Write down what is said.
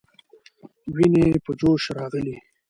ويني په جوش راغلې.